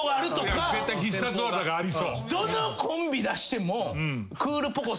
どのコンビ出してもクールポコ。